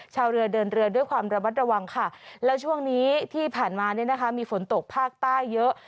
ชาวเรือเดินเรือด้วยความระมัดระวังค่ะแล้วช่วงนี้ที่ผ่านมาเนี่ยนะคะมีฝนตกภาคใต้เยอะ